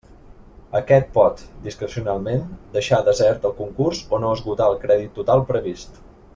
Aquest pot, discrecionalment, deixar desert el concurs o no esgotar el crèdit total previst.